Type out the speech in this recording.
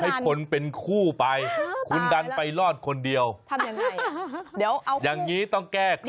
เค้าบอกให้คนเป็นคู่ไปคุณดันไปลอดคนเดียวทำยังไงอย่างนี้ต้องแก้เคล็ด